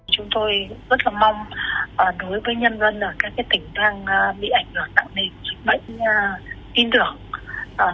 chúng tôi rất là mong đối với nhân dân ở các cái tỉnh đang bị ảnh hưởng tạo nên dịch bệnh tin tưởng vào